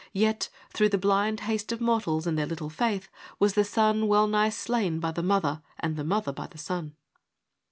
Yet, through the blind haste of mortals, and their little faith, was the son well nigh slain by the mother, and the mother by the son.'